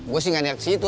gue sih gak nyayak situ